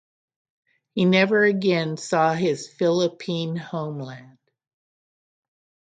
He never again saw his Philippine homeland.